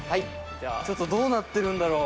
ちょっとどうなってるんだろう？